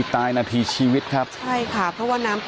แล้วน้ำซัดมาอีกละรอกนึงนะฮะจนในจุดหลังคาที่เขาไปเกาะอยู่เนี่ย